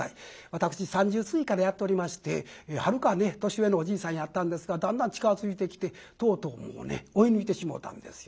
私３０過ぎからやっておりましてはるかね年上のおじいさんやったんですがだんだん近づいてきてとうとうもうね追い抜いてしもうたんですよ。